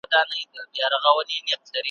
اولسونه به مي کله را روان پر یوه لار کې ,